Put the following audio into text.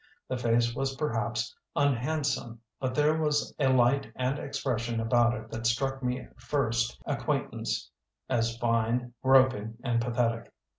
The face was perhaps unhandsome, but there was a light and expression about it that struck me at first ac quaintance as fine, groping, and pa thetic.